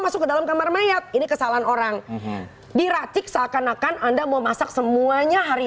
masuk ke dalam kamar mayat ini kesalahan orang diracik seakan akan anda mau masak semuanya hari